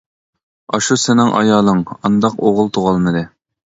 ئاشۇ سېنىڭ ئايالىڭ ئانداق ئوغۇل تۇغالمىدى.